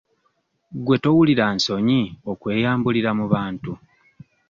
Gwe towulira nsonyi okweyambulira mu bantu?